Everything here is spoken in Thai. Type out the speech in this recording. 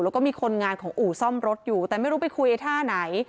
แล้วก็มีคนงานของอู่ซ่อมรถอยู่แต่ไม่รู้ไปคุยไอ้ท่าไหน